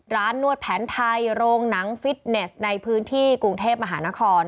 นวดแผนไทยโรงหนังฟิตเนสในพื้นที่กรุงเทพมหานคร